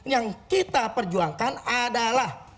yang kita perjuangkan adalah